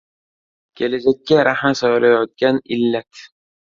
Kelajakka rahna solayotgan illat